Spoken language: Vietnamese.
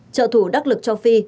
trợ thủ đắc lực cho phi